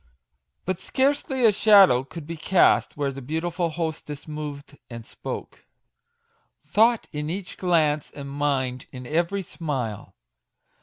But scarce ly a shadow could be cast where the beautiful hostess moved and spoke " Thought in each glance, and mind in every smile."